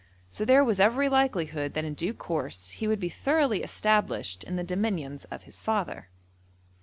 So there was every likelihood that in due course he would be thoroughly established in the dominions of his father.